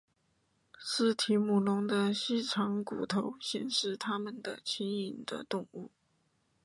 似提姆龙的修长骨头显示它们的轻盈的动物。